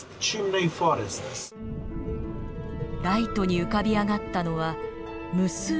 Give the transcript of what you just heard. ライトに浮かび上がったのは無数の柱。